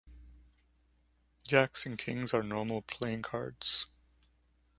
Jacks and Kings are normal playing cards.